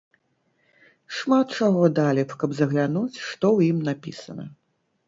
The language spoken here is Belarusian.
Шмат чаго далі б, каб заглянуць, што ў ім напісана.